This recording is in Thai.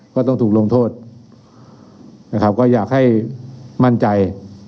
ก็ต้องถูกลงโทษนะครับก็อยากให้มั่นใจ